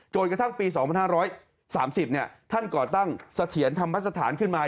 กระทั่งปี๒๕๓๐ท่านก่อตั้งเสถียรธรรมสถานขึ้นมา